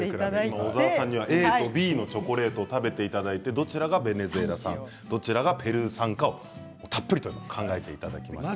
小沢さんにはＡとＢのチョコレートを食べていただいてどちらがベネズエラ産どちらがペルー産か考えていただきました。